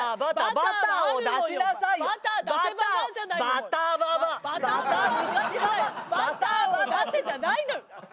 バターを出せじゃないのよ！